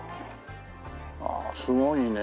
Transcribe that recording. ああすごいね。